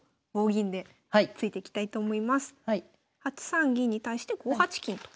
８三銀に対して５八金と。